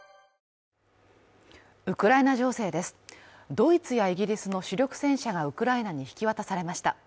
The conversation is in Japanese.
ドイツやイギリスの主力戦車がウクライナに引き渡されました。